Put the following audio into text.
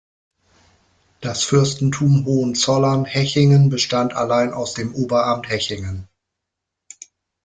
Das Fürstentum Hohenzollern-Hechingen bestand allein aus dem Oberamt Hechingen.